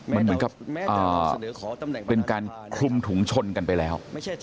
มันเหมือนกับเป็นการคลุมถุงชนกันไปแล้ว